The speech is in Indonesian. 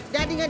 jadi nggak ada